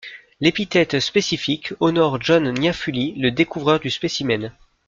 L'épithète spécifique honore John Nyaphuli le découvreur du spécimen.